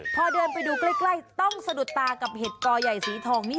พอเดินไปดูใกล้ต้องสะดุดตากับเห็ดกอใหญ่สีทองนี่